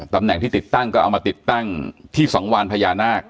ตำแหน่งที่ติดตั้งก็เอามาติดตั้งที่สังวานพญานาค